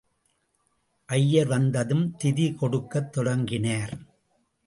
ஐயர் வந்ததும் திதி கொடுக்கத் தொடங்கினார்.